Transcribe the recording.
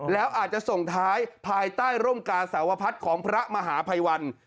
แล้วอาจจะส่งท้ายภายใต้ร่มกาสาวพัฒน์ของพระมหาภัยวัน